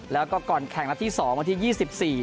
แล้วก็ก่อนแข่งนัดที่๒วันที่๒๔